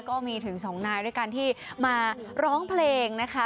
ก็มีถึงสองนายด้วยกันที่มาร้องเพลงนะคะ